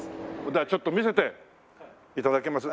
じゃあちょっと見せて頂けます？